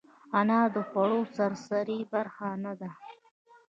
انار د خوړو سرسري برخه نه ده.